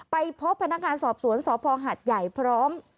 ไปพบพนักงานสอบสวนสพหัดใหญ่พร้อม